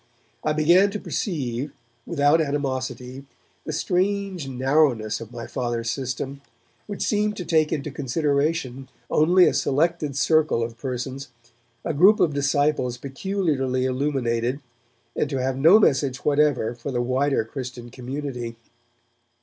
I began to perceive, without animosity, the strange narrowness of my Father's system, which seemed to take into consideration only a selected circle of persons, a group of disciples peculiarly illuminated, and to have no message whatever for the wider Christian community.